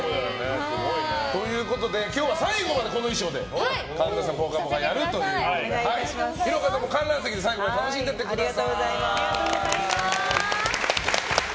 今日は最後までこの衣装神田さん「ぽかぽか」やるということで廣岡さんも観覧席で最後まで楽しんでいってください。